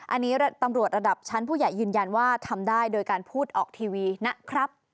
อันนี้ตำรวจระดับชั้นผู้ใหญ่ยืนยันว่าทำได้โดยการพูดออกทีวีนะครับ